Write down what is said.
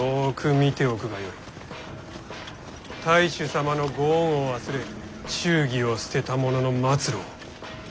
太守様のご恩を忘れ忠義を捨てた者の末路を。